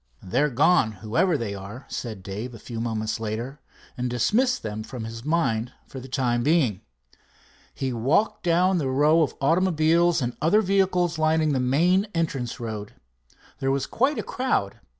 "They're gone, whoever they are," said Dave a few moments later, and dismissed them from his mind for the time being. He walked down the row of automobiles and other vehicles lining the main entrance road. There was quite a crowd.